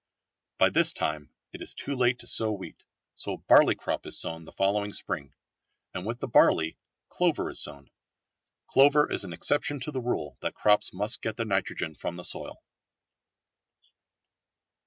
By this time it is too late to sow wheat, so a barley crop is sown the following spring, and with the barley clover is sown. Clover is an exception to the rule that crops must get their nitrogen from the soil.